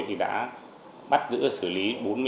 thì đã bắt giữ xử lý bốn mươi